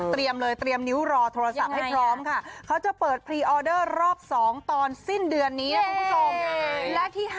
เตรียมนิ้วรอโทรศัพท์ให้พร้อมค่ะเขาจะเปิดพรีออเดอร์รอบ๒ตอนสิ้นเดือนนี้นะคุณผู้ชม